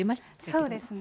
そうですね。